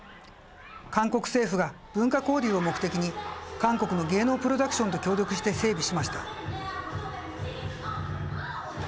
韓国政府が文化交流を目的に韓国の芸能プロダクションと協力して整備しました。